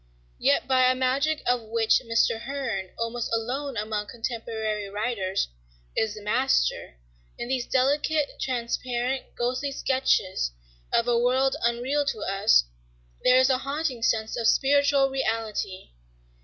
Yet by a magic of which Mr. Hearn, almost alone among contemporary writers, is the master, in these delicate, transparent, ghostly sketches of a world unreal to us, there is a haunting sense of spiritual reality.